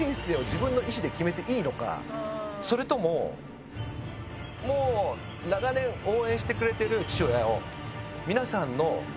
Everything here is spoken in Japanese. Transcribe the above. それとももう長年応援してくれてる父親を。